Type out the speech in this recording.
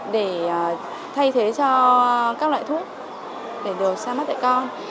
để thay thế cho các loại thuốc để được xa mắt tại con